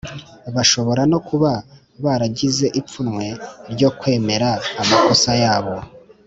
Bashobora no kuba baragize ipfunwe ryo kwemera amakosa yabo